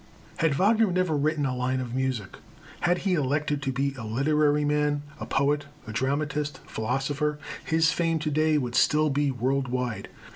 Had Wagner never written a line of music, had he elected to be a literary man, a poet, a dramatist, philosopher, his fame to day would still be world wide.